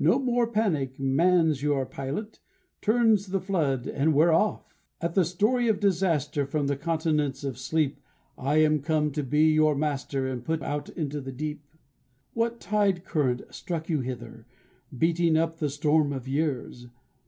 No more panic; Man's your pilot; Turns the flood, and we are off! At the story of disaster, From the continents of sleep, I am come to be your master And put out into the deep. What tide current struck you hither, Beating up the storm of years?